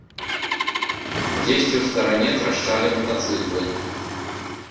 Дзесьці ў старане трашчалі матацыклы.